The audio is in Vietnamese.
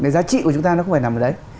cái giá trị của chúng ta nó không phải nằm ở đấy